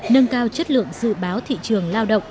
nâng cao chất lượng dự báo thị trường lao động